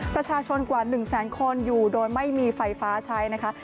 ประชาชนกว่า๑แสนคนอยู่โดยไม่มีไฟฟ้าใช้นะคะ